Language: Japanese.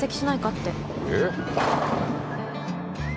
ってえっ？